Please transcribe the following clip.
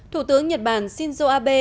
thủ tướng nhật bản shinzo abe